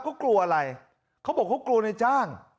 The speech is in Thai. เขากลัวอะไรเขาบอกเขากลัวในจ้าง